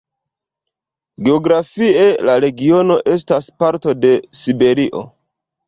Geografie la regiono estas parto de Siberio.